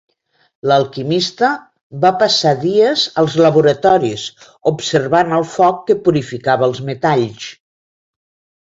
L'alquimista va passar dies als laboratoris observant el foc que purificava els metalls.